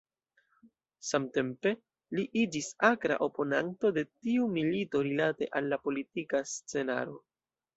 Samtempe li iĝis akra oponanto de tiu milito rilate al la politika scenaro.